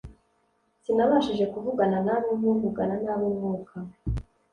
sinabashije kuvugana namwe nk'uvugana n’ab'Umwuka,